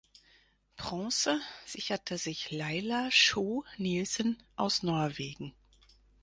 Bronze sicherte sich Laila Schou Nilsen aus Norwegen.